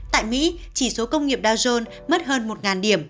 tại mỹ chỉ số công nghiệp dow jones mất hơn một điểm